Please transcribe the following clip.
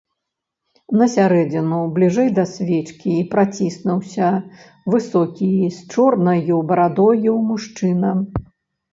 На сярэдзіну, бліжэй да свечкі, праціснуўся высокі з чорнаю барадою мужчына.